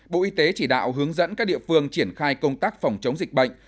bộ y tế chỉ đạo hướng dẫn các địa phương triển khai công tác phòng chống dịch bệnh